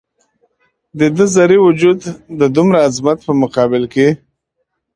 د ده ذرې وجود د دومره عظمت په مقابل کې.